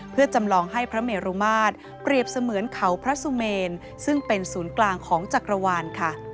เพื่อจำลองให้พระเมรุมาตรเปรียบเสมือนเขาพระสุเมนซึ่งเป็นศูนย์กลางของจักรวาลค่ะ